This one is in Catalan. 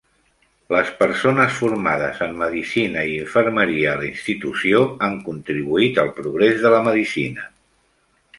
Les persones formades en Medicina i Infermeria a la institució han contribuït al progrés de la Medicina.